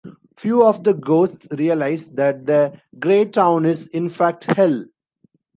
Few of the ghosts realize that the grey town is, in fact, Hell.